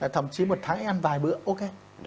thậm chí một tháng anh ăn vài bữa ok